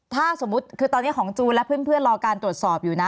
ถ้าสมมุติคือตอนนี้ของจูนและเพื่อนรอการตรวจสอบอยู่นะ